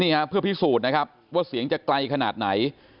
เพื่อพิสูจน์นะครับว่าเสียงจะไกลขนาดไหน